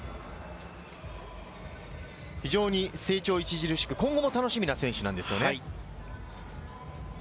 非常に成長著しく今後も楽しみな選手なんですよね。